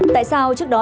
tại sao trước đó